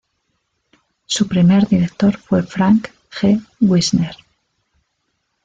Su primer director fue Frank G. Wisner.